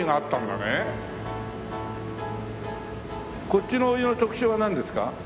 こっちのお湯の特徴はなんですか？